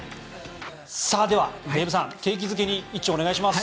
では、デーブさん景気づけにお願いします。